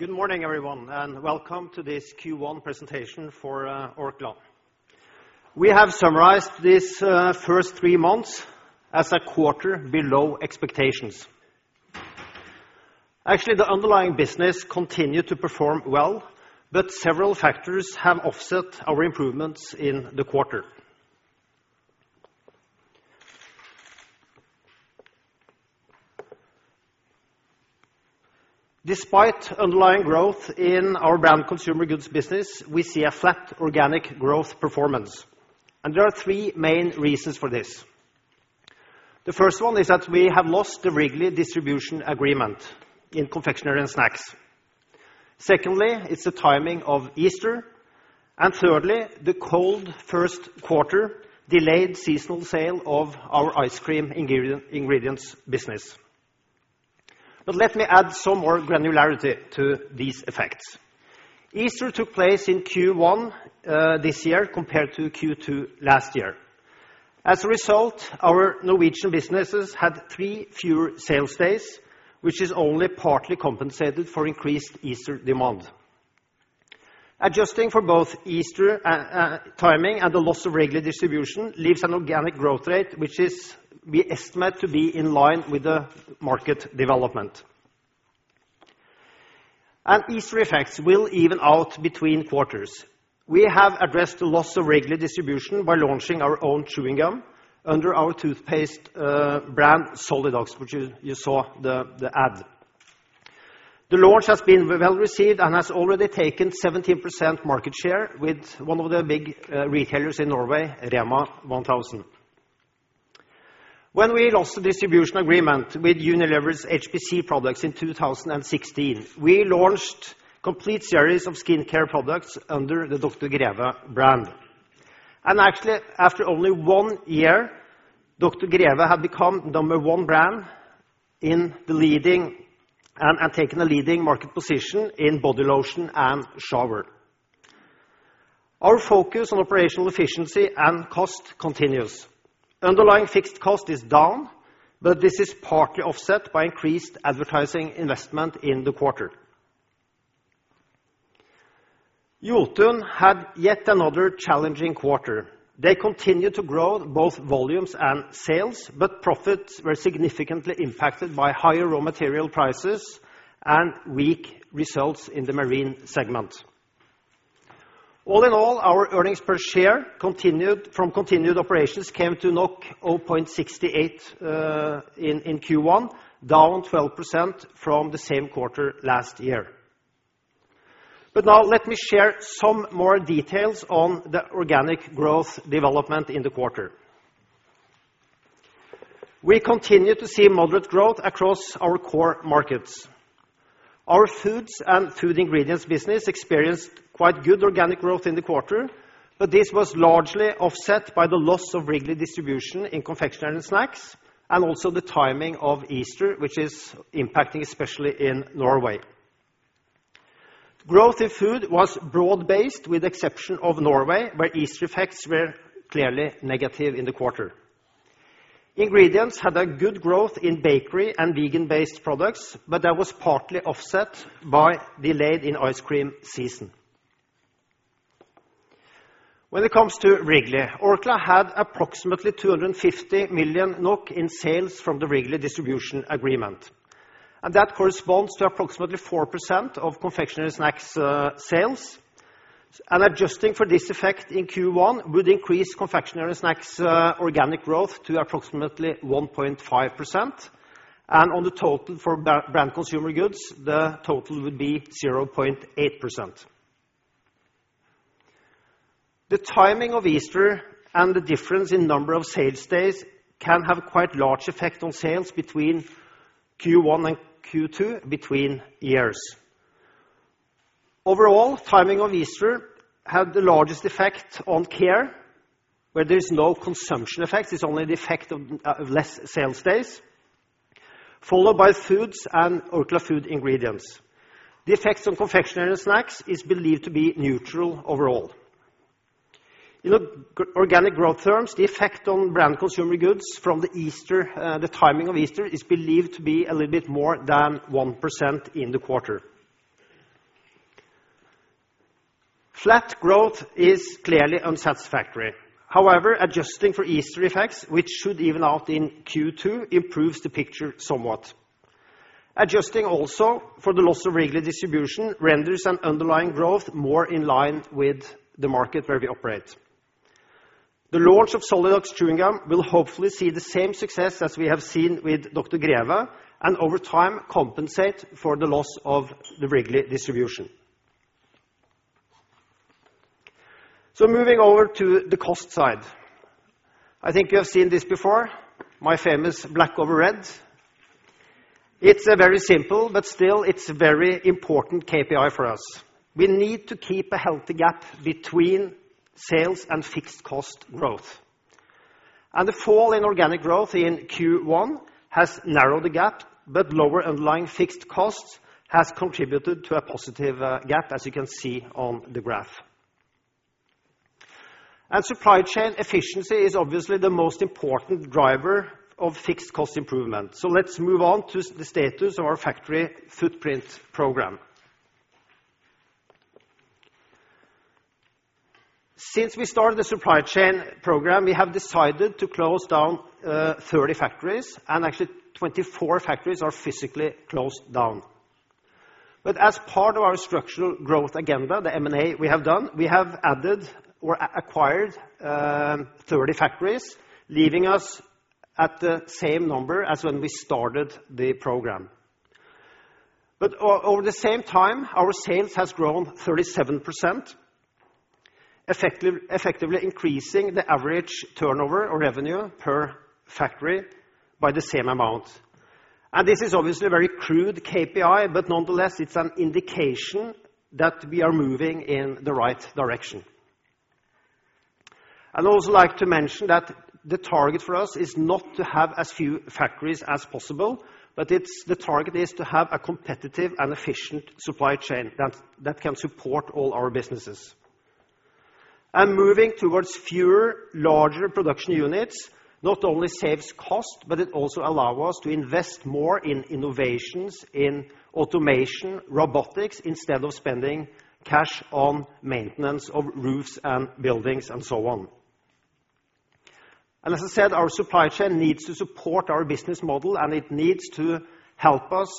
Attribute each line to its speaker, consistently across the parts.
Speaker 1: Good morning, everyone, and welcome to this Q1 presentation for Orkla. We have summarized these first three months as a quarter below expectations. Actually, the underlying business continued to perform well, but several factors have offset our improvements in the quarter. Despite underlying growth in our Branded Consumer Goods business, we see a flat organic growth performance, there are three main reasons for this. The first one is that we have lost the Wrigley distribution agreement in confectionery and snacks. Secondly, it's the timing of Easter, thirdly, the cold first quarter delayed seasonal sale of our ice cream ingredients business. Let me add some more granularity to these effects. Easter took place in Q1 this year compared to Q2 last year. As a result, our Norwegian businesses had three fewer sales days, which is only partly compensated for increased Easter demand. Adjusting for both Easter timing and the loss of Wrigley distribution leaves an organic growth rate, which we estimate to be in line with the market development. Easter effects will even out between quarters. We have addressed the loss of Wrigley distribution by launching our own chewing gum under our toothpaste brand, Solidox, which you saw the ad. The launch has been well-received and has already taken 17% market share with one of the big retailers in Norway, Rema 1000. When we lost the distribution agreement with Unilever's HPC products in 2016, we launched complete series of skincare products under the Dr. Greve brand. Actually, after only one year, Dr. Greve had become number one brand and taken a leading market position in body lotion and shower. Our focus on operational efficiency and cost continues. Underlying fixed cost is down, this is partly offset by increased advertising investment in the quarter. Jotun had yet another challenging quarter. They continued to grow both volumes and sales, profits were significantly impacted by higher raw material prices and weak results in the marine segment. All in all, our earnings per share from continued operations came to 0.68 in Q1, down 12% from the same quarter last year. Now let me share some more details on the organic growth development in the quarter. We continue to see moderate growth across our core markets. Our foods and food ingredients business experienced quite good organic growth in the quarter, this was largely offset by the loss of Wrigley distribution in confectionery and snacks, also the timing of Easter, which is impacting especially in Norway. Growth in food was broad-based with the exception of Norway, where Easter effects were clearly negative in the quarter. Ingredients had a good growth in bakery and vegan-based products, that was partly offset by delayed in ice cream season. When it comes to Wrigley, Orkla had approximately 250 million NOK in sales from the Wrigley distribution agreement, that corresponds to approximately 4% of confectionery and snacks sales. Adjusting for this effect in Q1 would increase confectionery and snacks organic growth to approximately 1.5%. On the total for Branded Consumer Goods, the total would be 0.8%. The timing of Easter and the difference in number of sales days can have quite large effect on sales between Q1 and Q2 between years. Overall, timing of Easter had the largest effect on care, where there is no consumption effect, it's only the effect of less sales days, followed by foods and Orkla Food Ingredients. The effects on confectionery and snacks is believed to be neutral overall. In organic growth terms, the effect on Branded Consumer Goods from the timing of Easter is believed to be a little bit more than 1% in the quarter. Flat growth is clearly unsatisfactory. However, adjusting for Easter effects, which should even out in Q2, improves the picture somewhat. Adjusting also for the loss of Wrigley distribution renders an underlying growth more in line with the market where we operate. The launch of Solidox chewing gum will hopefully see the same success as we have seen with Dr. Greve, and over time compensate for the loss of the Wrigley distribution. Moving over to the cost side. I think you have seen this before, my famous black over red. It's a very simple, but still it's very important KPI for us. We need to keep a healthy gap between sales and fixed cost growth. The fall in organic growth in Q1 has narrowed the gap, but lower underlying fixed costs has contributed to a positive gap, as you can see on the graph. Supply chain efficiency is obviously the most important driver of fixed cost improvement. Let's move on to the status of our factory footprint program. Since we started the supply chain program, we have decided to close down 30 factories, and actually 24 factories are physically closed down. As part of our structural growth agenda, the M&A we have done, we have added or acquired 30 factories, leaving us at the same number as when we started the program. Over the same time, our sales has grown 37%, effectively increasing the average turnover or revenue per factory by the same amount. This is obviously a very crude KPI, but nonetheless, it's an indication that we are moving in the right direction. I'd also like to mention that the target for us is not to have as few factories as possible, but the target is to have a competitive and efficient supply chain that can support all our businesses. Moving towards fewer, larger production units not only saves cost, but it also allow us to invest more in innovations, in automation, robotics, instead of spending cash on maintenance of roofs and buildings and so on. As I said, our supply chain needs to support our business model, and it needs to help us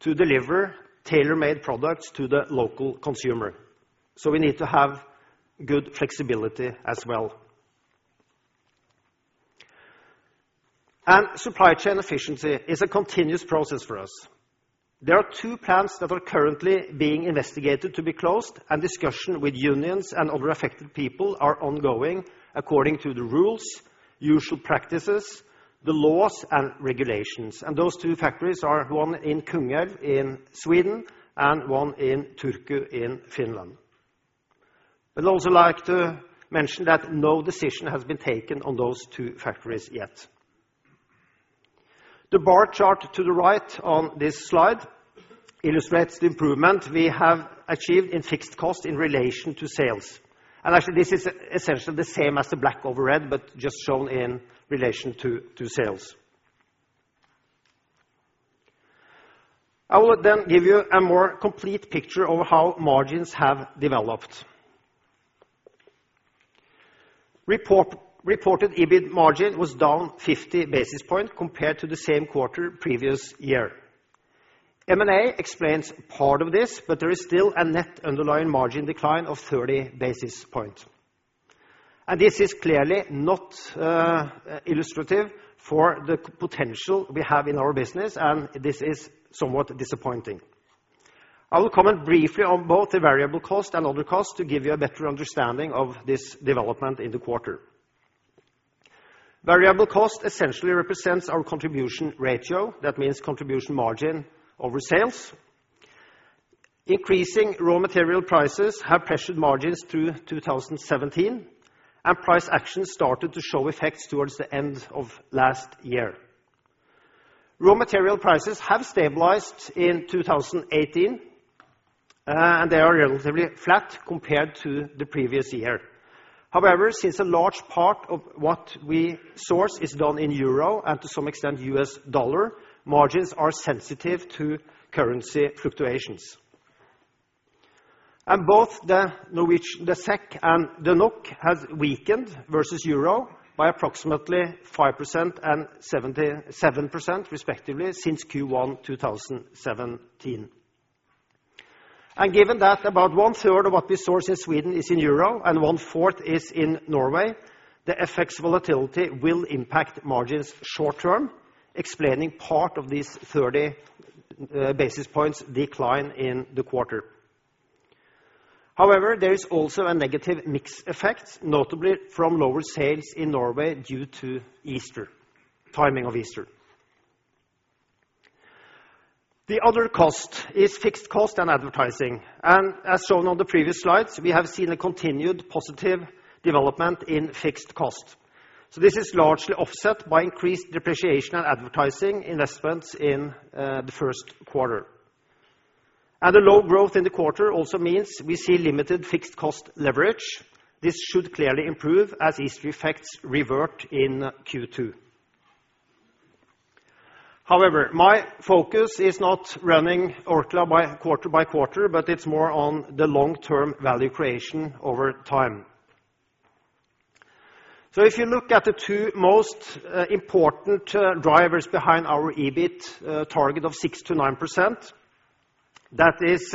Speaker 1: to deliver tailor-made products to the local consumer. We need to have good flexibility as well. Supply chain efficiency is a continuous process for us. There are two plants that are currently being investigated to be closed, and discussion with unions and other affected people are ongoing according to the rules, usual practices, the laws, and regulations. Those two factories are one in Kungälv in Sweden and one in Turku in Finland. I'd also like to mention that no decision has been taken on those two factories yet. The bar chart to the right on this slide illustrates the improvement we have achieved in fixed cost in relation to sales. Actually, this is essentially the same as the black over red, but just shown in relation to sales. I will then give you a more complete picture of how margins have developed. Reported EBIT margin was down 50 basis points compared to the same quarter previous year. M&A explains part of this, but there is still a net underlying margin decline of 30 basis points. This is clearly not illustrative for the potential we have in our business, and this is somewhat disappointing. I will comment briefly on both the variable cost and other costs to give you a better understanding of this development in the quarter. Variable cost essentially represents our contribution ratio. That means contribution margin over sales. Increasing raw material prices have pressured margins through 2017, and price action started to show effects towards the end of last year. Raw material prices have stabilized in 2018, and they are relatively flat compared to the previous year. However, since a large part of what we source is done in euro and to some extent US dollar, margins are sensitive to currency fluctuations. Both the SEK and the NOK has weakened versus euro by approximately 5% and 7% respectively since Q1 2017. Given that about one-third of what we source in Sweden is in euro and one-fourth is in Norway, the FX volatility will impact margins short-term, explaining part of this 30 basis points decline in the quarter. However, there is also a negative mix effect, notably from lower sales in Norway due to Easter, timing of Easter. The other cost is fixed cost and advertising. As shown on the previous slides, we have seen a continued positive development in fixed cost. This is largely offset by increased depreciation and advertising investments in the first quarter. The low growth in the quarter also means we see limited fixed cost leverage. This should clearly improve as Easter effects revert in Q2. However, my focus is not running Orkla quarter by quarter, but it's more on the long-term value creation over time. If you look at the two most important drivers behind our EBIT target of 6% to 9%, that is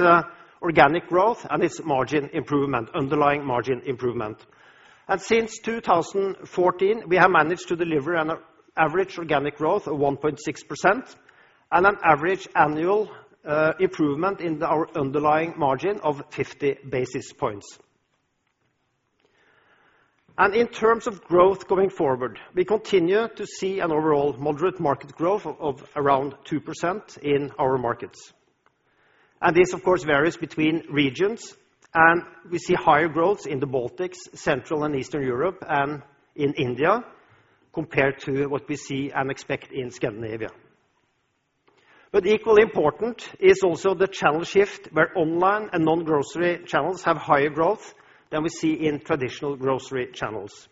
Speaker 1: organic growth and its margin improvement, underlying margin improvement. Since 2014, we have managed to deliver an average organic growth of 1.6% and an average annual improvement in our underlying margin of 50 basis points. In terms of growth going forward, we continue to see an overall moderate market growth of around 2% in our markets. This, of course, varies between regions, and we see higher growths in the Baltics, Central and Eastern Europe, and in India compared to what we see and expect in Scandinavia. Equally important is also the channel shift where online and non-grocery channels have higher growth than we see in traditional grocery channels.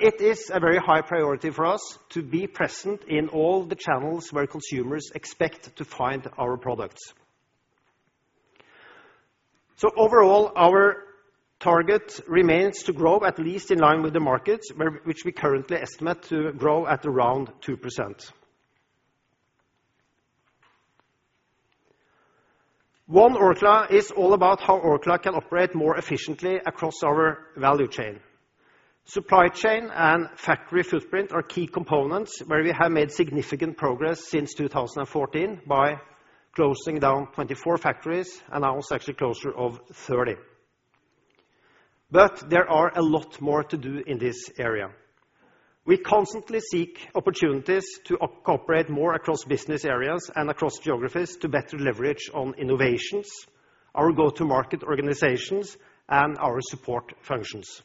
Speaker 1: It is a very high priority for us to be present in all the channels where consumers expect to find our products. Overall, our target remains to grow at least in line with the markets, which we currently estimate to grow at around 2%. One Orkla is all about how Orkla can operate more efficiently across our value chain. Supply chain and factory footprint are key components where we have made significant progress since 2014 by closing down 24 factories, and now it's actually closure of 30. There are a lot more to do in this area. We constantly seek opportunities to operate more across business areas and across geographies to better leverage on innovations, our go-to-market organizations, and our support functions.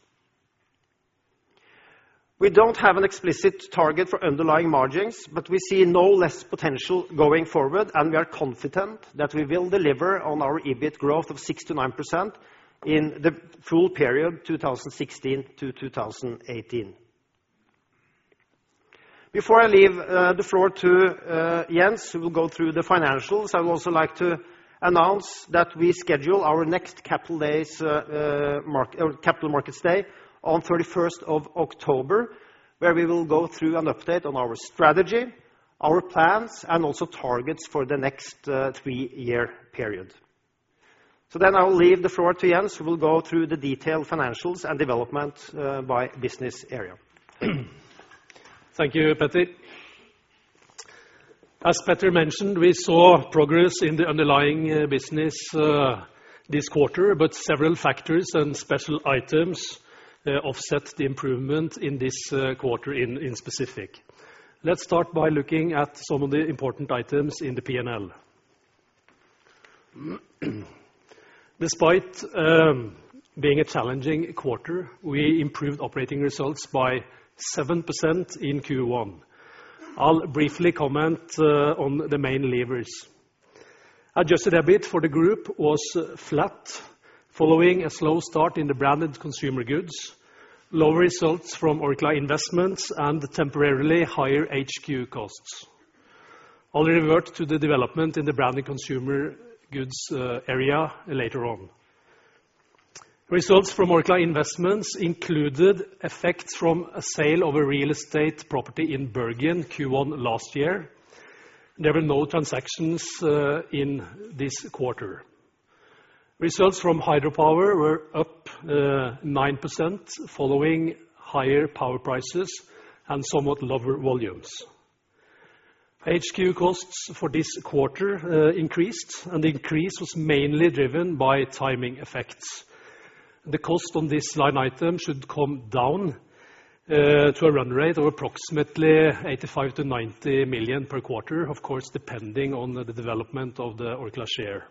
Speaker 1: We don't have an explicit target for underlying margins. We see no less potential going forward, and we are confident that we will deliver on our EBIT growth of 69% in the full period 2016-2018. Before I leave the floor to Jens, who will go through the financials, I would also like to announce that we schedule our next capital markets day on 31st of October, where we will go through an update on our strategy, our plans, and also targets for the next three-year period. I will leave the floor to Jens, who will go through the detailed financials and development by business area.
Speaker 2: Thank you, Peter. As Peter mentioned, we saw progress in the underlying business this quarter. Several factors and special items offset the improvement in this quarter in specific. Let's start by looking at some of the important items in the P&L. Despite being a challenging quarter, we improved operating results by 7% in Q1. I'll briefly comment on the main levers. Adjusted EBIT for the group was flat following a slow start in the Branded Consumer Goods, lower results from Orkla Investments, and temporarily higher HQ costs. I'll revert to the development in the Branded Consumer Goods area later on. Results from Orkla Investments included effects from a sale of a real estate property in Bergen, Q1 last year. There were no transactions in this quarter. Results from Hydro Power were up 9% following higher power prices and somewhat lower volumes. HQ costs for this quarter increased. The increase was mainly driven by timing effects. The cost on this line item should come down to a run rate of approximately 85 million-90 million per quarter, of course, depending on the development of the Orkla share.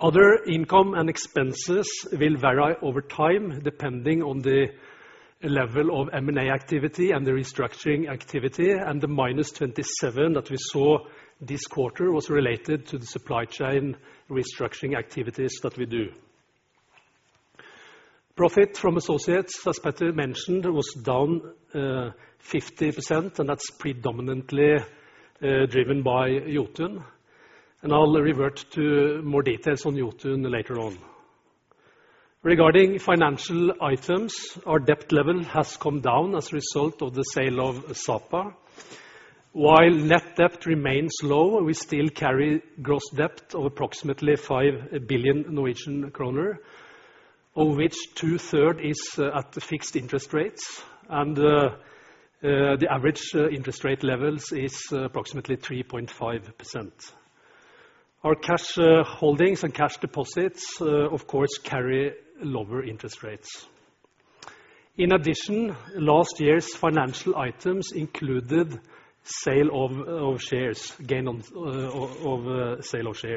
Speaker 2: Other income and expenses will vary over time depending on the level of M&A activity and the restructuring activity. The -27 million that we saw this quarter was related to the supply chain restructuring activities that we do. Profit from associates, as Peter mentioned, was down 50%. That's predominantly driven by Jotun. I'll revert to more details on Jotun later on. Regarding financial items, our debt level has come down as a result of the sale of Sapa. While net debt remains low, we still carry gross debt of approximately 5 billion Norwegian kroner, of which two-thirds is at fixed interest rates and the average interest rate levels is approximately 3.5%. Our cash holdings and cash deposits, of course, carry lower interest rates. In addition, last year's financial items included gain of sale of shares.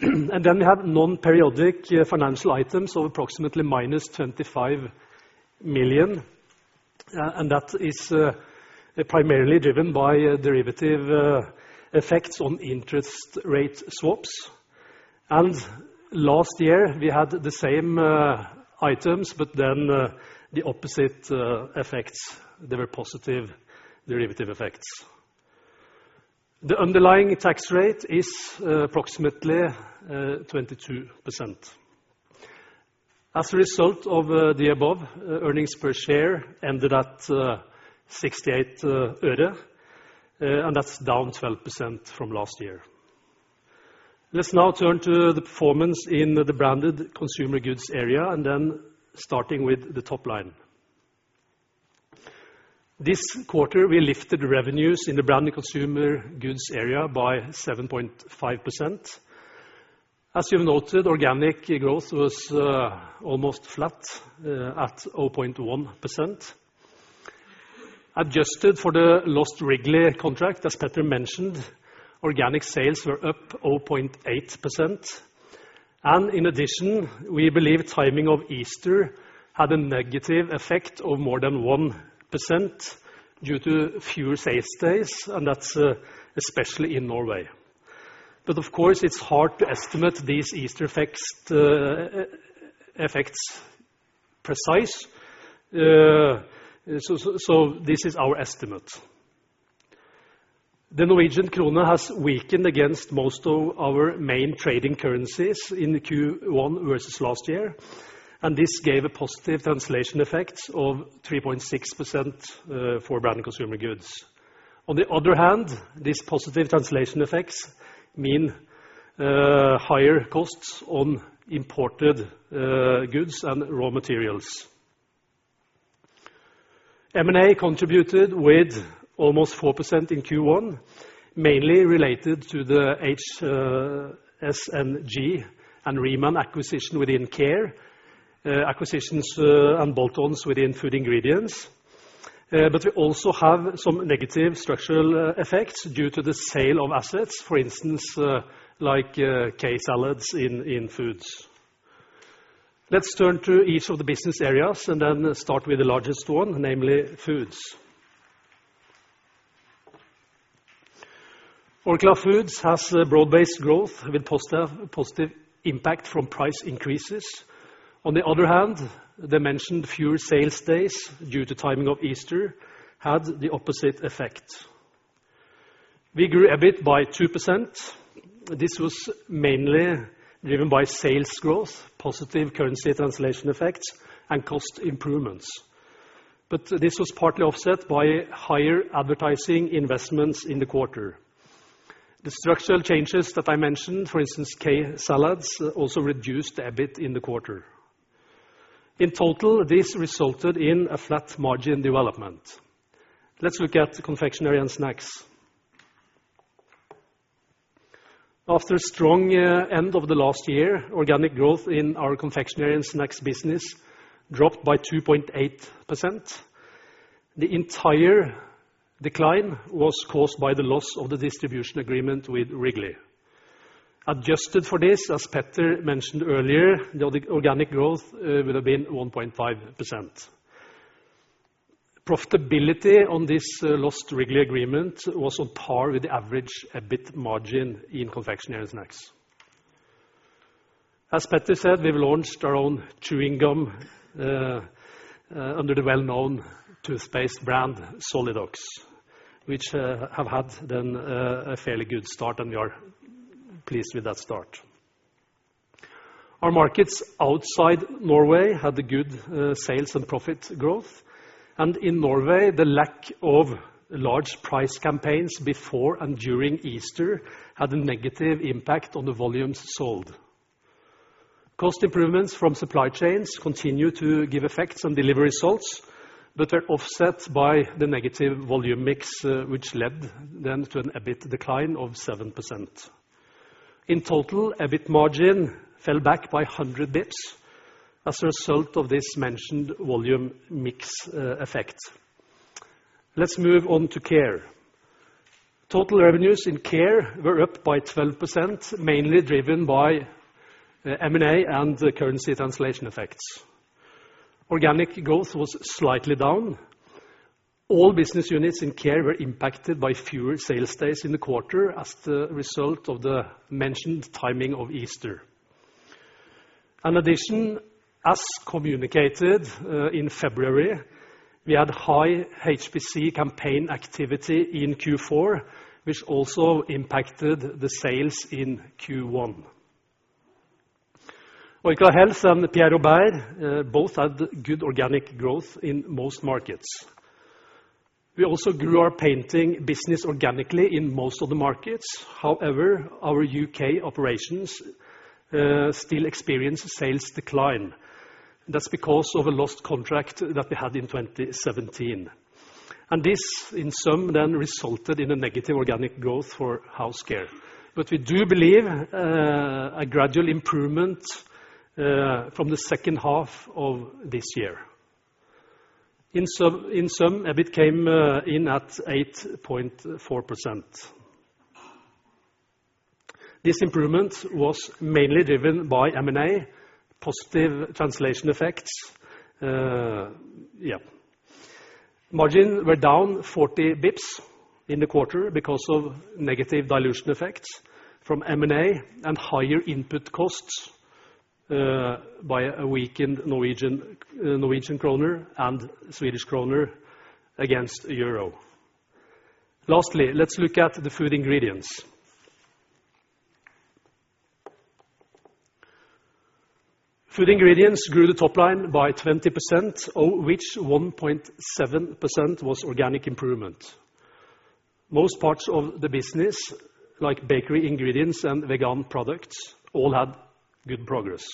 Speaker 2: We have non-periodic financial items of approximately -25 million. That is primarily driven by derivative effects on interest rate swaps. Last year we had the same items. The opposite effects. They were positive derivative effects. The underlying tax rate is approximately 22%. As a result of the above, earnings per share ended at NOK 0.68. That's down 12% from last year. Let's now turn to the performance in the Branded Consumer Goods area, starting with the top line. This quarter, we lifted revenues in the Branded Consumer Goods area by 7.5%. As you've noted, organic growth was almost flat at 0.1%. Adjusted for the lost Wrigley contract, as Peter mentioned, organic sales were up 0.8%. In addition, we believe timing of Easter had a negative effect of more than 1% due to fewer sales days, and that's especially in Norway. Of course, it's hard to estimate these Easter effects precise. This is our estimate. The Norwegian Krone has weakened against most of our main trading currencies in Q1 versus last year, and this gave a positive translation effect of 3.6% for Branded Consumer Goods. On the other hand, these positive translation effects mean higher costs on imported goods and raw materials. M&A contributed with almost 4% in Q1, mainly related to the HSNG and Riemann acquisition within Care, acquisitions and bolt-ons within Food Ingredients. We also have some negative structural effects due to the sale of assets, for instance, like K-Salat in Foods. Let's turn to each of the business areas and then start with the largest one, namely Foods. Orkla Foods has broad-based growth with positive impact from price increases. On the other hand, the mentioned fewer sales days due to timing of Easter had the opposite effect. We grew a bit by 2%. This was mainly driven by sales growth, positive currency translation effects, and cost improvements. This was partly offset by higher advertising investments in the quarter. The structural changes that I mentioned, for instance, K-Salat, also reduced a bit in the quarter. In total, this resulted in a flat margin development. Let's look at confectionery and snacks. After a strong end of the last year, organic growth in our confectionery and snacks business dropped by 2.8%. The entire decline was caused by the loss of the distribution agreement with Wrigley. Adjusted for this, as Peter mentioned earlier, the organic growth would have been 1.5%. Profitability on this lost Wrigley agreement was on par with the average EBIT margin in confectionery and snacks. As Peter said, we've launched our own chewing gum, under the well-known toothpaste brand, Solidox, which have had then a fairly good start, and we are pleased with that start. Our markets outside Norway had a good sales and profit growth, and in Norway, the lack of large price campaigns before and during Easter had a negative impact on the volumes sold. Cost improvements from supply chains continue to give effects on delivery results, are offset by the negative volume mix, which led then to an EBIT decline of 7%. In total, EBIT margin fell back by 100 basis points as a result of this mentioned volume mix effect. Let's move on to Care. Total revenues in Care were up by 12%, mainly driven by M&A and the currency translation effects. Organic growth was slightly down. All business units in Care were impacted by fewer sales days in the quarter as the result of the mentioned timing of Easter. In addition, as communicated in February, we had high HPC campaign activity in Q4, which also impacted the sales in Q1. Orkla Health and Pierre Robert both had good organic growth in most markets. We also grew our painting business organically in most of the markets. However, our U.K. operations still experience a sales decline. That's because of a lost contract that we had in 2017. This, in sum, then resulted in a negative organic growth for Housecare. We do believe a gradual improvement from the second half of this year. In sum, EBIT came in at 8.4%. This improvement was mainly driven by M&A, positive translation effects. Margin was down 40 basis points in the quarter because of negative dilution effects from M&A and higher input costs by a weakened NOK and SEK against EUR. Let's look at Orkla Food Ingredients. Orkla Food Ingredients grew the top line by 20%, of which 1.7% was organic improvement. Most parts of the business, like bakery ingredients and vegan products, all had good progress.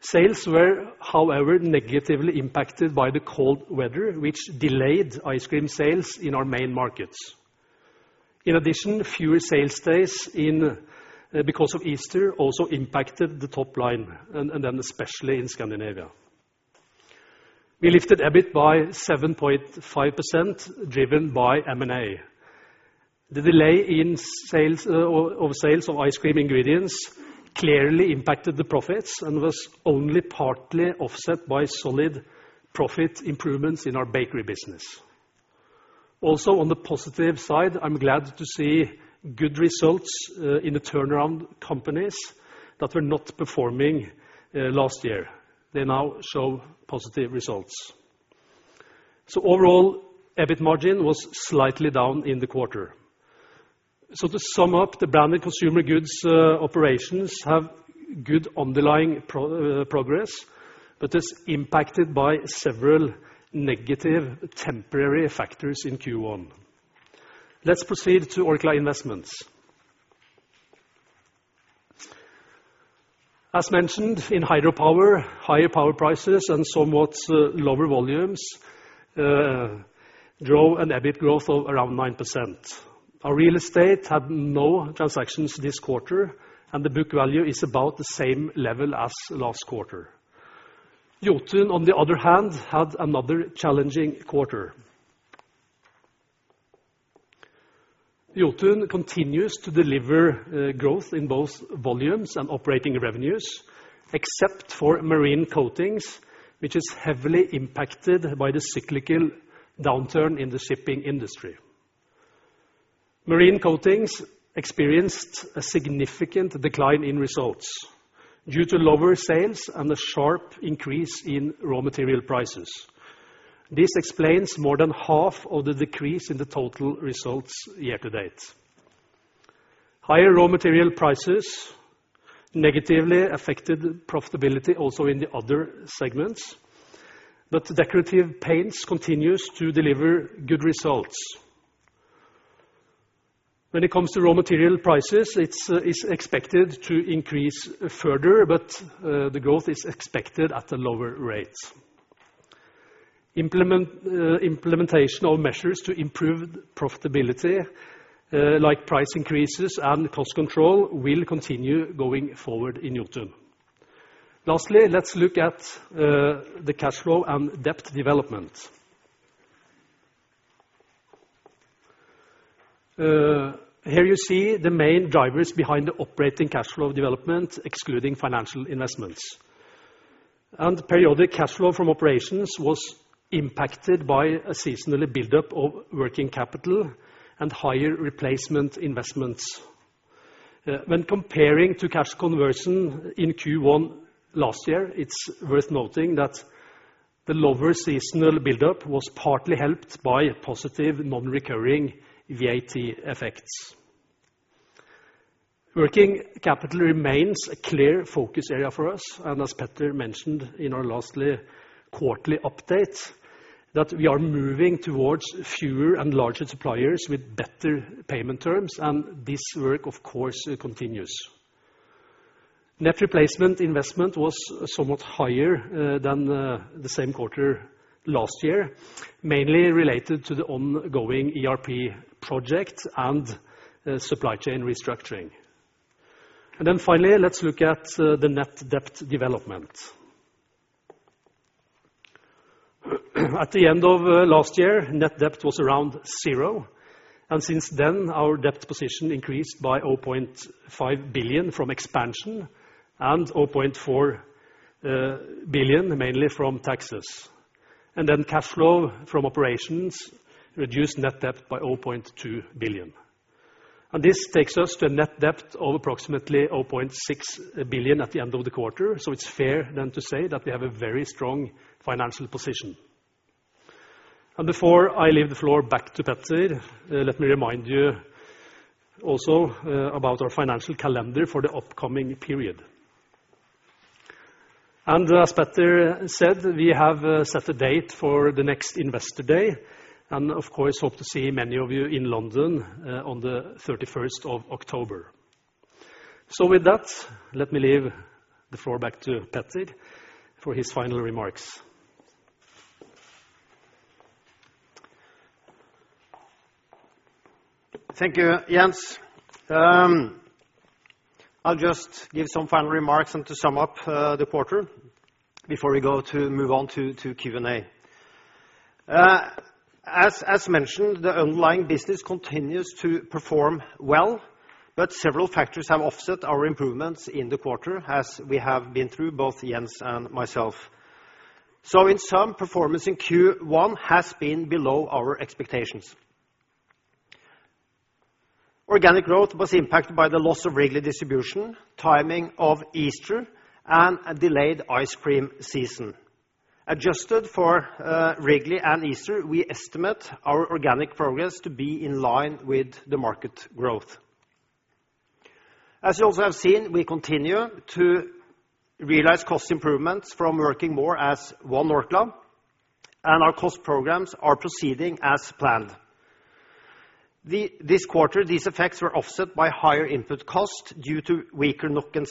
Speaker 2: Sales were, however, negatively impacted by the cold weather, which delayed ice cream sales in our main markets. In addition, fewer sales days because of Easter also impacted the top line, especially in Scandinavia. We lifted EBIT by 7.5%, driven by M&A. The delay of sales of ice cream ingredients clearly impacted the profits and was only partly offset by solid profit improvements in our bakery business. On the positive side, I'm glad to see good results in the turnaround companies that were not performing last year. They now show positive results. Overall, EBIT margin was slightly down in the quarter. To sum up, the Branded Consumer Goods operations have good underlying progress, but are impacted by several negative temporary factors in Q1. Let's proceed to Orkla Investments. As mentioned, in Hydro Power, higher power prices and somewhat lower volumes drove an EBIT growth of around 9%. Our real estate had no transactions this quarter, and the book value is about the same level as last quarter. Jotun, on the other hand, had another challenging quarter. Jotun continues to deliver growth in both volumes and operating revenues, except for marine coatings, which is heavily impacted by the cyclical downturn in the shipping industry. Marine coatings experienced a significant decline in results due to lower sales and a sharp increase in raw material prices. This explains more than half of the decrease in the total results year to date. Higher raw material prices negatively affected profitability also in the other segments. Decorative paints continues to deliver good results. When it comes to raw material prices, it's expected to increase further, but the growth is expected at a lower rate. Implementation of measures to improve profitability, like price increases and cost control, will continue going forward in Jotun. Let's look at the cash flow and debt development. Here you see the main drivers behind the operating cash flow development, excluding financial investments. Periodic cash flow from operations was impacted by a seasonally buildup of working capital and higher replacement investments. When comparing to cash conversion in Q1 last year, it's worth noting that the lower seasonal buildup was partly helped by positive non-recurring VAT effects. Working capital remains a clear focus area for us, as Peter mentioned in our last quarterly update, that we are moving towards fewer and larger suppliers with better payment terms, and this work, of course, continues. Net replacement investment was somewhat higher than the same quarter last year, mainly related to the ongoing ERP project and supply chain restructuring. Finally, let's look at the net debt development. At the end of last year, net debt was around zero, since then, our debt position increased by 0.5 billion from expansion and 0.4 billion mainly from taxes. Cash flow from operations reduced net debt by 0.2 billion. This takes us to a net debt of approximately 0.6 billion at the end of the quarter. It is fair then to say that we have a very strong financial position. Before I leave the floor back to Peter, let me remind you also about our financial calendar for the upcoming period. As Peter said, we have set a date for the next Investor Day, and of course, hope to see many of you in London on the 31st of October. With that, let me leave the floor back to Peter for his final remarks.
Speaker 1: Thank you, Jens. I will just give some final remarks and to sum up the quarter before we move on to Q&A. As mentioned, the underlying business continues to perform well, several factors have offset our improvements in the quarter as we have been through, both Jens and myself. In sum, performance in Q1 has been below our expectations. Organic growth was impacted by the loss of Wrigley distribution, timing of Easter, and a delayed ice cream season. Adjusted for Wrigley and Easter, we estimate our organic progress to be in line with the market growth. We continue to realize cost improvements from working more as One Orkla, and our cost programs are proceeding as planned. This quarter, these effects were offset by higher input cost due to weaker NOK and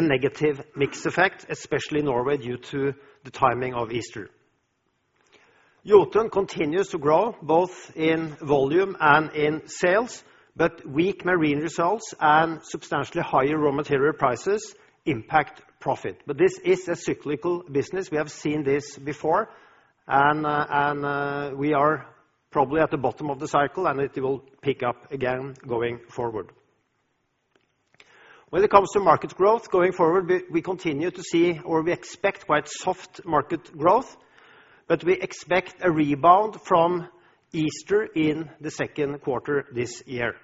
Speaker 1: negative mix effect, especially in Norway, due to the timing of Easter. Jotun continues to grow both in volume and in sales, weak marine results and substantially higher raw material prices impact profit. This is a cyclical business. We have seen this before, and we are probably at the bottom of the cycle, and it will pick up again going forward. When it comes to market growth going forward, we continue to see or we expect quite soft market growth, we expect a rebound from Easter in the second quarter this year.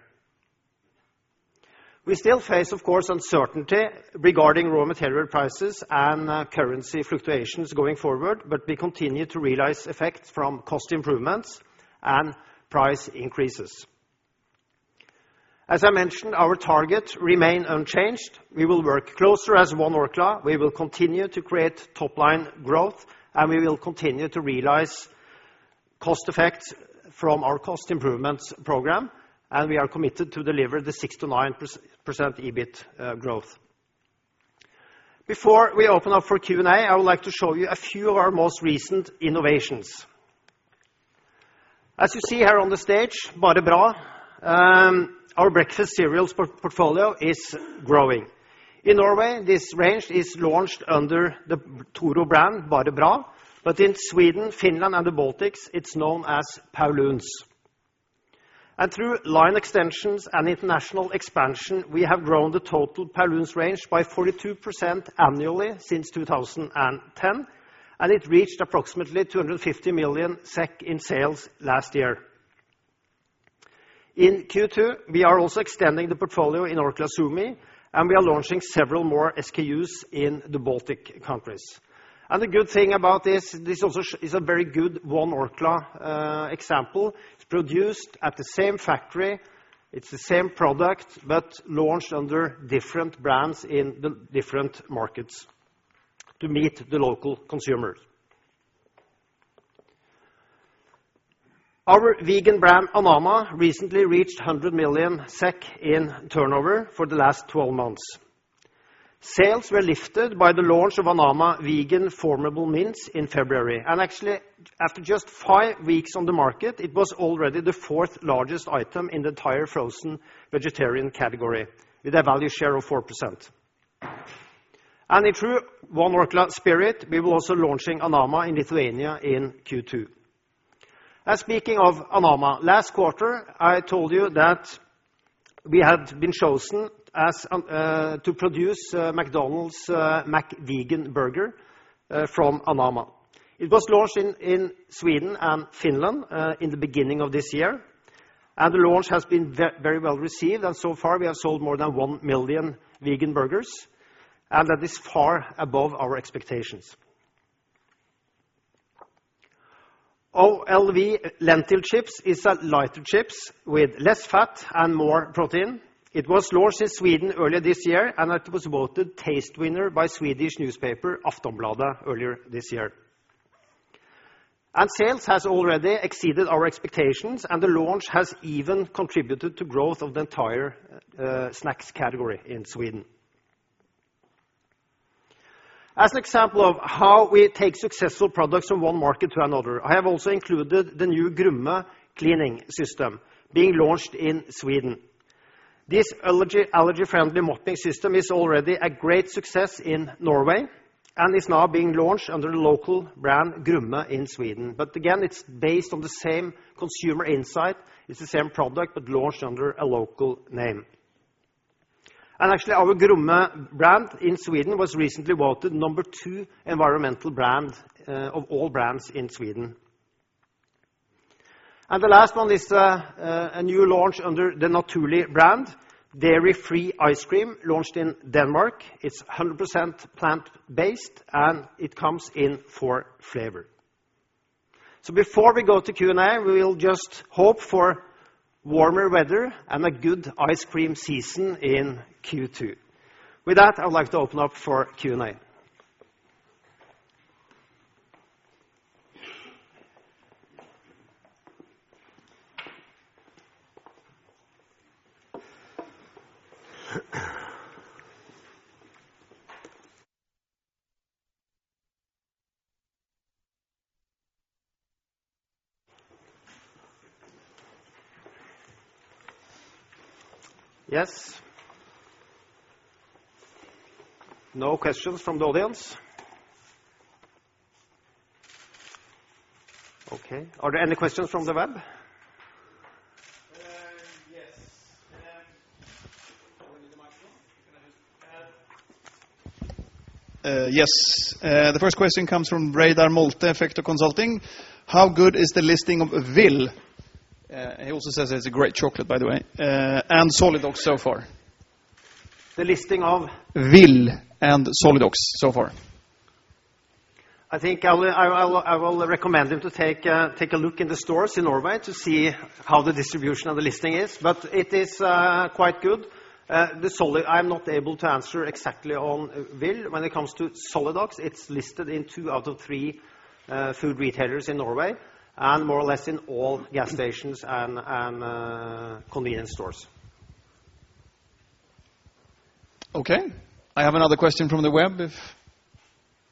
Speaker 1: We still face, of course, uncertainty regarding raw material prices and currency fluctuations going forward, we continue to realize effects from cost improvements and price increases. As I mentioned, our targets remain unchanged. We will work closer as One Orkla, we will continue to create top-line growth, and we will continue to realize cost effects from our cost improvements program, and we are committed to deliver the 6%-9% EBIT growth. Before we open up for Q&A, I would like to show you a few of our most recent innovations. As you see here on the stage, Bare Bra, our breakfast cereals portfolio is growing. In Norway, this range is launched under the Toro brand, Bare Bra, in Sweden, Finland, and the Baltics, it is known as Paulúns. Through line extensions and international expansion, we have grown the total Paulúns range by 42% annually since 2010, and it reached approximately 250 million SEK in sales last year. In Q2, we are also extending the portfolio in Orkla Suomi, and we are launching several more SKUs in the Baltic countries. The good thing about this also is a very good One Orkla example. It's produced at the same factory, it's the same product, launched under different brands in the different markets to meet the local consumers. Our vegan brand, Anamma, recently reached 100 million SEK in turnover for the last 12 months. Sales were lifted by the launch of Anamma vegan formable mince in February, actually, after just five weeks on the market, it was already the fourth-largest item in the entire frozen vegetarian category with a value share of 4%. In true One Orkla spirit, we will also launching Anamma in Lithuania in Q2. Speaking of Anamma, last quarter, I told you that we had been chosen to produce McDonald's McVegan burger from Anamma. It was launched in Sweden and Finland in the beginning of this year, the launch has been very well-received. So far, we have sold more than 1 million vegan burgers, that is far above our expectations. OLW Lentil Chips is a lighter chips with less fat and more protein. It was launched in Sweden earlier this year, it was voted taste winner by Swedish newspaper Aftonbladet earlier this year. Sales has already exceeded our expectations, the launch has even contributed to growth of the entire snacks category in Sweden. As an example of how we take successful products from one market to another, I have also included the new Grumme cleaning system being launched in Sweden. This allergy-friendly mopping system is already a great success in Norway, is now being launched under the local brand, Grumme, in Sweden. Again, it's based on the same consumer insight. It's the same product, launched under a local name. Actually, our Grumme brand in Sweden was recently voted number 2 environmental brand of all brands in Sweden. The last one is a new launch under the Naturli' brand, dairy-free ice cream launched in Denmark. It's 100% plant-based, it comes in four flavor. Before we go to Q&A, we will just hope for warmer weather and a good ice cream season in Q2. With that, I would like to open up for Q&A. Yes? No questions from the audience? Okay. Are there any questions from the web?
Speaker 3: Yes. Do I need the microphone? Can I just Yes. The first question comes from Reidar Molte, Effekto Consulting: How good is the listing of VIL, he also says it's a great chocolate, by the way, and Solidox so far?
Speaker 1: The listing of?
Speaker 3: VIL and Solidox so far.
Speaker 1: I think I will recommend him to take a look in the stores in Norway to see how the distribution of the listing is, but it is quite good. I'm not able to answer exactly on VIL. When it comes to Solidox, it's listed in two out of three food retailers in Norway and more or less in all gas stations and convenience stores.
Speaker 3: Okay. I have another question from the web, if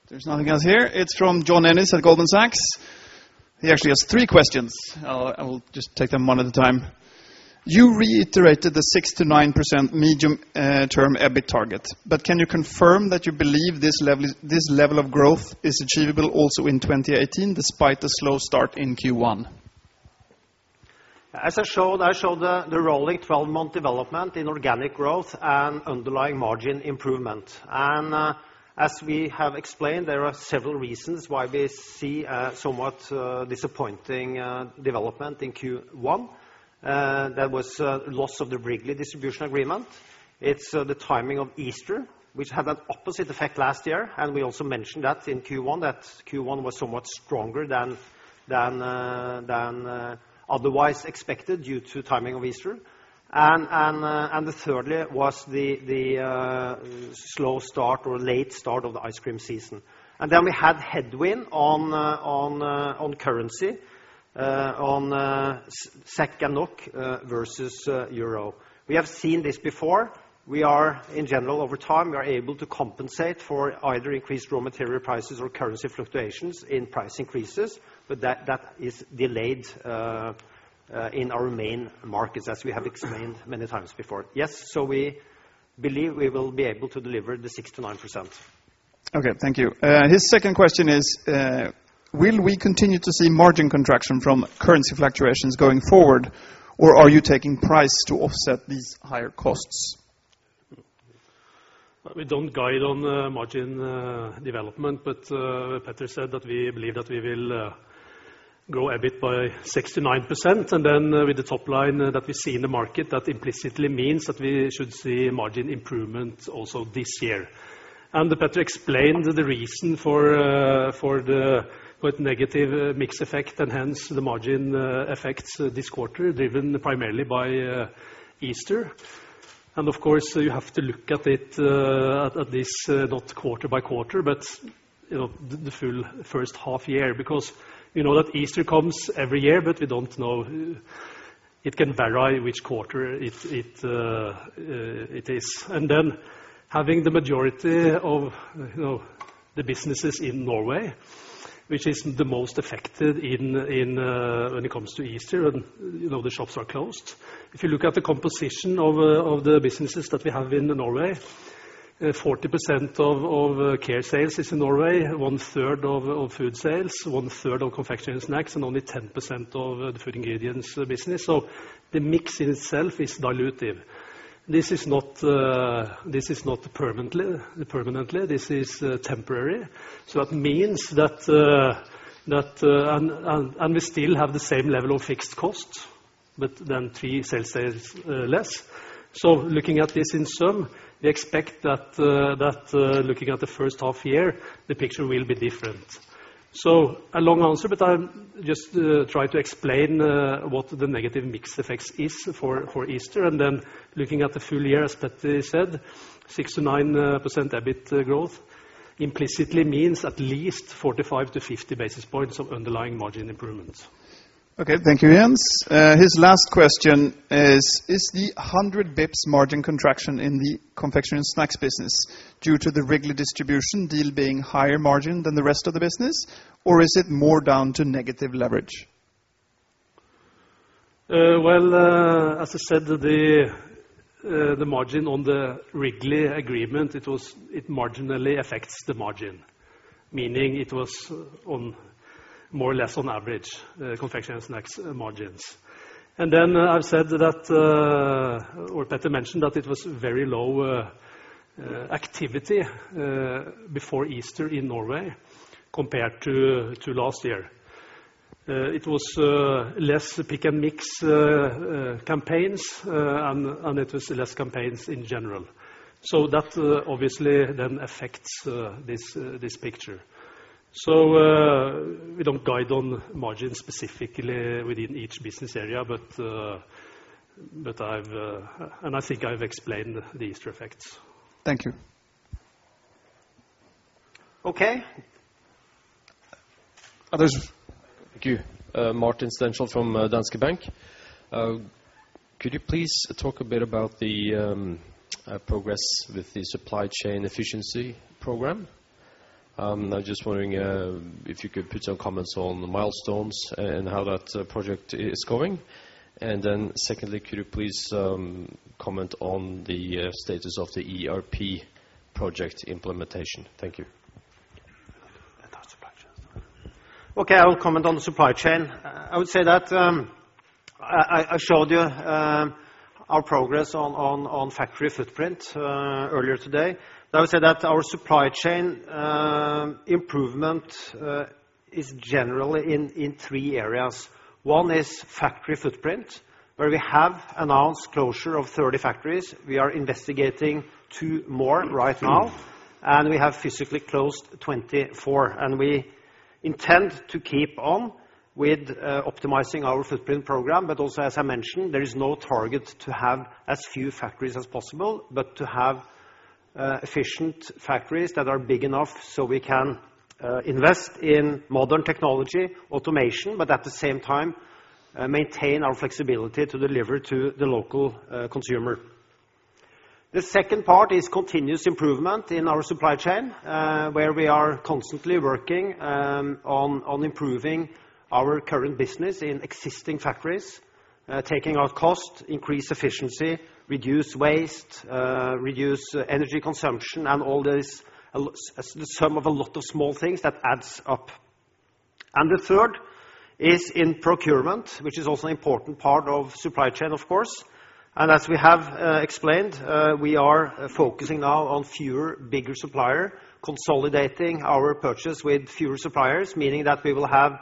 Speaker 3: there's nothing else here. It's from John Ennis at Goldman Sachs. He actually has three questions. I will just take them one at a time. Can you confirm that you believe this level of growth is achievable also in 2018, despite the slow start in Q1?
Speaker 1: As I showed the rolling 12-month development in organic growth and underlying margin improvement. As we have explained, there are several reasons why we see a somewhat disappointing development in Q1. There was a loss of the Wrigley distribution agreement. It's the timing of Easter, which had that opposite effect last year, and we also mentioned that in Q1, that Q1 was somewhat stronger than otherwise expected due to timing of Easter. Thirdly was the slow start or late start of the ice cream season. Then we had headwind on currency, on SEK and NOK versus euro. We have seen this before. In general, over time, we are able to compensate for either increased raw material prices or currency fluctuations in price increases, but that is delayed in our main markets, as we have explained many times before. Yes, we believe we will be able to deliver the 6%-9%.
Speaker 3: Okay, thank you. His second question is: Will we continue to see margin contraction from currency fluctuations going forward, or are you taking price to offset these higher costs?
Speaker 2: We don't guide on margin development, Peter said that we believe that we will grow a bit by 69%. Then with the top line that we see in the market, that implicitly means that we should see margin improvement also this year. Peter explained the reason for the negative mix effect and hence the margin effects this quarter, driven primarily by Easter. Of course, you have to look at this not quarter by quarter, but the full first half year. Easter comes every year, but we don't know. It can vary which quarter it is. Then having the majority of the businesses in Norway, which is the most affected when it comes to Easter, and the shops are closed. If you look at the composition of the businesses that we have in Norway, 40% of care sales is in Norway, one-third of food sales, one-third of confectionery and snacks, and only 10% of the food ingredients business. The mix in itself is dilutive. This is not permanently, this is temporary. That means that we still have the same level of fixed costs, but then three sales there is less. Looking at this in sum, we expect that looking at the first half year, the picture will be different. A long answer, but I'm just trying to explain what the negative mix effects is for Easter. Looking at the full year, as Peter said, 6%-9% EBIT growth implicitly means at least 45 to 50 basis points of underlying margin improvements.
Speaker 3: Thank you, Jens. His last question is: Is the 100 basis points margin contraction in the confectionery and snacks business due to the Wrigley distribution deal being higher margin than the rest of the business, or is it more down to negative leverage?
Speaker 2: As I said, the margin on the Wrigley agreement, it marginally affects the margin. Meaning it was more or less on average confectionery and snacks margins. I've said that, or Peter mentioned that it was very low activity before Easter in Norway compared to last year. It was less pick and mix campaigns, and it was less campaigns in general. That obviously then affects this picture. We don't guide on margin specifically within each business area, but I think I've explained the Easter effects.
Speaker 3: Thank you.
Speaker 1: Okay. Others?
Speaker 4: Thank you. Martin Stenshall from Danske Bank. Could you please talk a bit about the progress with the supply chain efficiency program? I am just wondering if you could put some comments on the milestones and how that project is going. Secondly, could you please comment on the status of the ERP project implementation? Thank you.
Speaker 1: Okay, I will comment on the supply chain. I would say that I showed you our progress on factory footprint earlier today. I would say that our supply chain improvement is generally in three areas. One is factory footprint, where we have announced closure of 30 factories. We are investigating two more right now, and we have physically closed 24. We intend to keep on with optimizing our footprint program. Also, as I mentioned, there is no target to have as few factories as possible, but to have efficient factories that are big enough so we can invest in modern technology automation, but at the same time maintain our flexibility to deliver to the local consumer. The second part is continuous improvement in our supply chain, where we are constantly working on improving our current business in existing factories. Taking out cost, increase efficiency, reduce waste, reduce energy consumption, and all this, the sum of a lot of small things that adds up. The third is in procurement, which is also an important part of supply chain, of course. As we have explained, we are focusing now on fewer, bigger supplier, consolidating our purchase with fewer suppliers, meaning that we will have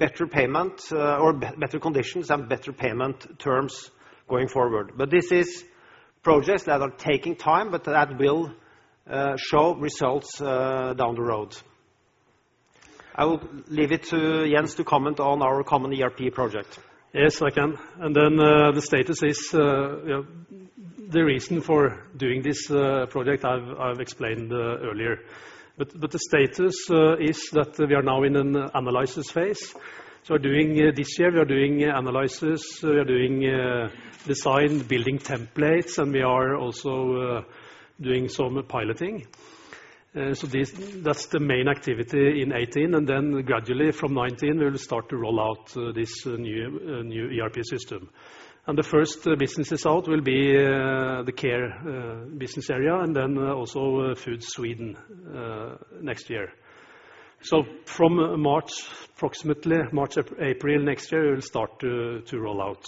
Speaker 1: better conditions and better payment terms going forward. This is projects that are taking time, but that will show results down the road. I will leave it to Jens to comment on our common ERP project.
Speaker 2: Yes, I can. The status is, the reason for doing this project, I've explained earlier. The status is that we are now in an analysis phase. This year, we are doing analysis, we are doing design, building templates, and we are also doing some piloting. That's the main activity in 2018, gradually from 2019, we'll start to roll out this new ERP system. The first business result will be the Care Business Area, then also Orkla Foods Sweden next year. From approximately March, April next year, we'll start to roll out.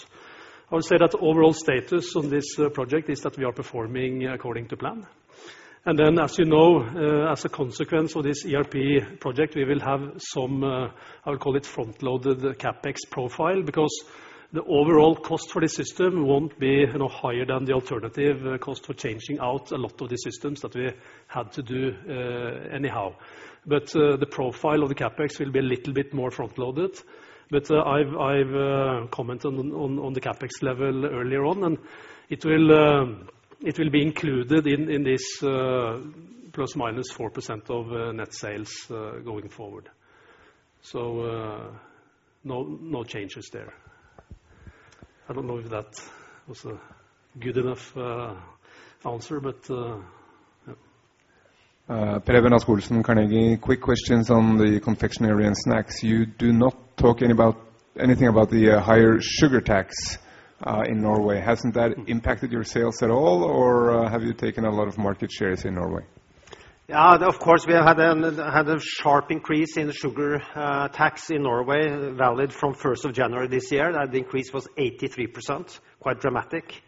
Speaker 2: I would say that the overall status on this project is that we are performing according to plan. As you know, as a consequence of this ERP project, we will have some, I would call it, front-loaded CapEx profile, because the overall cost for this system won't be higher than the alternative cost for changing out a lot of these systems that we had to do anyhow. The profile of the CapEx will be a little bit more front-loaded. I've commented on the CapEx level earlier on, and it will be included in this ±4% of net sales going forward. No changes there. I don't know if that was a good enough answer, yeah.
Speaker 5: Preben Rasch-Olsen, Carnegie. Quick questions on the confectionery and snacks. You do not talk anything about the higher sugar tax in Norway. Hasn't that impacted your sales at all, or have you taken a lot of market shares in Norway?
Speaker 1: Yeah, of course, we have had a sharp increase in sugar tax in Norway, valid from 1st of January this year. The increase was 83%, quite dramatic.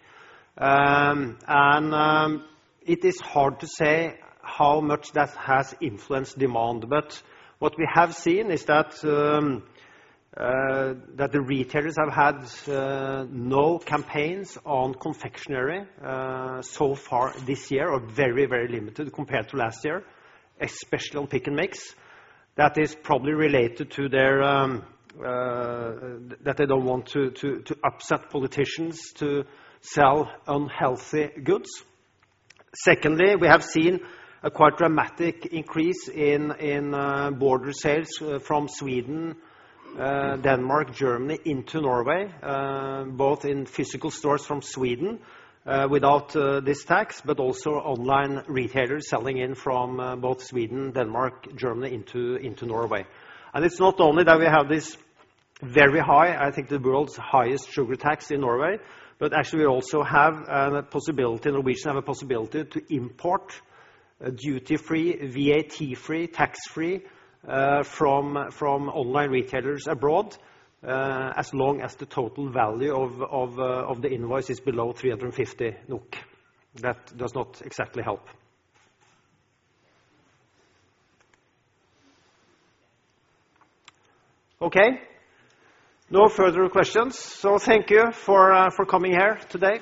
Speaker 1: It is hard to say how much that has influenced demand, but what we have seen is that the retailers have had no campaigns on confectionery so far this year, or very limited compared to last year, especially on pick and mix. That is probably related to that they don't want to upset politicians to sell unhealthy goods. Secondly, we have seen a quite dramatic increase in border sales from Sweden, Denmark, Germany into Norway, both in physical stores from Sweden without this tax, but also online retailers selling in from both Sweden, Denmark, Germany into Norway. It's not only that we have this very high, I think the world's highest sugar tax in Norway, but actually we also have a possibility, Norwegians have a possibility to import duty-free, VAT-free, tax-free from online retailers abroad, as long as the total value of the invoice is below 350 NOK. That does not exactly help. Okay. No further questions. Thank you for coming here today.